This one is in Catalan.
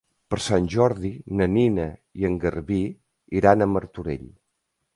Per Sant Jordi na Nina i en Garbí iran a Martorell.